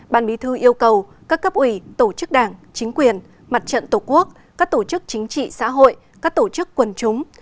ban bí thư yêu cầu các cấp ủy tổ chức đảng chính quyền mặt trận tổ quốc các tổ chức chính trị xã hội các tổ chức quần chúng